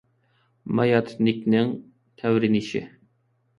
ماياتنىكنىڭ تەۋرىنىشى